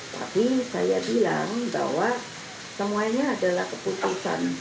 tapi saya bilang bahwa semuanya adalah keputusan